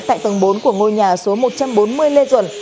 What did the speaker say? tại tầng bốn của ngôi nhà số một trăm bốn mươi lê duẩn